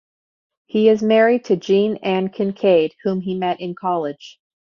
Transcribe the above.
He is married to Jean Ann Kincaid, whom he met in college.